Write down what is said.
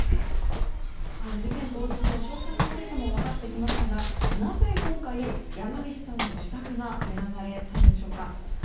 事件当日の詳細も分かってきましたがなぜ今回、山岸さんの自宅が狙われたんでしょうか。